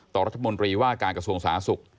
ต่อรัฐมนตรีว่าการกระทรวงสาธารณสุข